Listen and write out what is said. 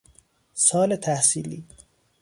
سال تحصیلی